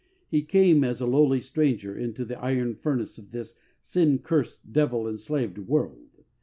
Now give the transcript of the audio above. He came as a lowly stranger into the iron furnace of this sin cursed, devil enslaved world.